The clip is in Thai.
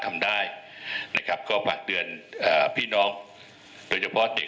ทำได้นะครับก็ฝากเตือนพี่น้องโดยเฉพาะเด็ก